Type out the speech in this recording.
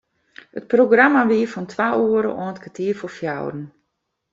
It programma wie fan twa oere oant kertier foar fjouweren.